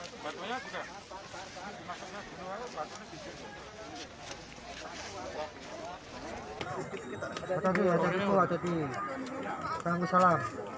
sebelumnya warga desa jatisobo kabupaten sukoharjo jawa tengah digemparkan dengan penemuan jenasa perempuan diparit di salah satu lahan perkebunan warga